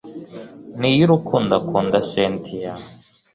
niyurukundo akunda cyntia